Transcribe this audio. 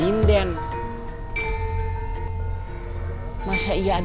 itu bahkan itu